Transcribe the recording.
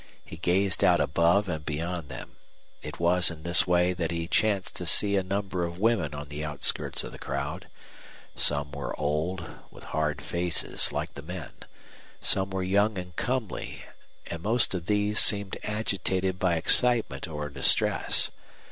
He gazed out above and beyond them. It was in this way that he chanced to see a number of women on the outskirts of the crowd. Some were old, with hard faces, like the men. Some were young and comely, and most of these seemed agitated by excitement or distress.